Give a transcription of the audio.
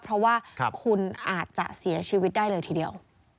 เพราะว่าคุณอาจจะเสียชีวิตได้เลยทีเดียว